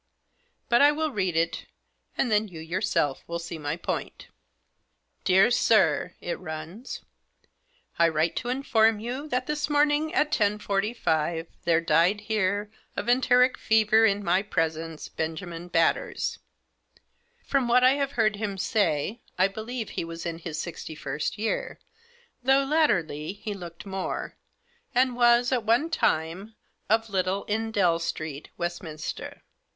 But I will read it, and then you yourself will see my point. " c Dear Sir/ it runs, ' I write to inform you that this morning, at 10.45, there died here, of enteric fever Digitized by 44 THE JOSS. in my presence, Benjamin Batters. From what I have heard him say, I believe he was in his sixty first year, though, latterly, he looked more, and was, at one time, of Little Endell Street, Westminster.'